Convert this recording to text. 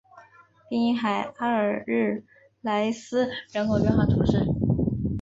滨海阿尔日莱斯人口变化图示